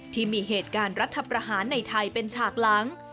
ที่มีเหตุการณ์รัฐประหารในไทยเป็นฉากหลัง